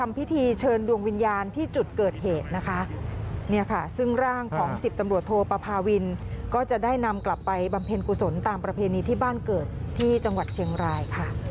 ไม่มีแผนที่จะเลื่อนออกไปเพราะเข้าใจสถานการณ์เลย